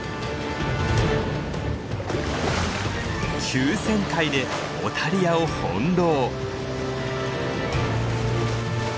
急旋回でオタリアを翻弄。